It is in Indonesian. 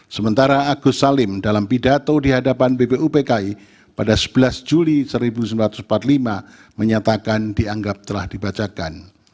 sementara agus salim dalam pidato di hadapan bpupki pada sebelas juli seribu sembilan ratus empat puluh lima menyatakan dianggap telah dibacakan